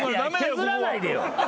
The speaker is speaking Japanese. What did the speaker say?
削らないでよ。